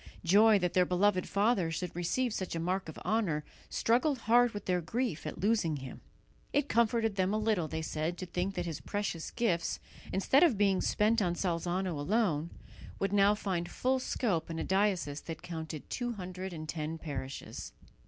Joy that their beloved father should receive such a mark of honour struggled hard with their grief at losing him. It comforted them a little, they said, to think that his precious gifts, instead of being spent on Salzano alone, would now find full scope in a diocese that counted two hundred and ten parishes.